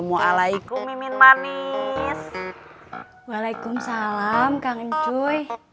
waalaikumsalam kangen cuy